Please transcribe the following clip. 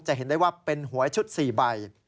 เห็นได้ว่าเป็นหวยชุด๔ใบ